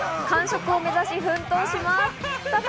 完食を目指し奮闘します。